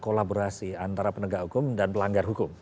kolaborasi antara penegak hukum dan pelanggar hukum